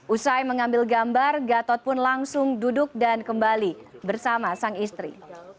usai mengambil gambar gatot pun langsung duduk dan kembali bersama sang istri